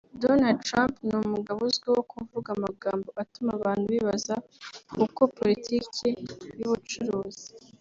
Donald Trump ni umugabo uzwiho kuvuga amagambo atuma abantu bibaza uko politiki y’ubucuruzi